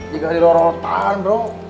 jika dirorotan bro